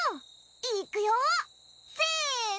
いくよせの！